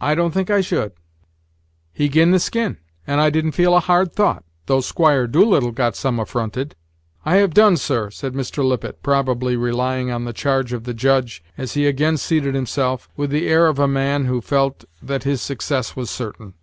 "I don't think I should; he gi'n the skin, and I didn't feel a hard thought, though Squire Doolittle got some affronted." "I have done, sir," said Mr. Lippet, probably relying on the charge of the Judge, as he again seated himself, with the air of a main who felt that his success was certain.